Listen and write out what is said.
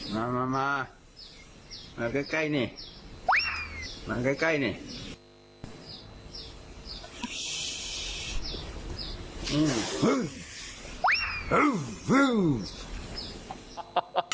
มามาใกล้นี่มาใกล้นี่